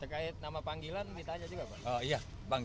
terkait nama panggilan ditanya juga pak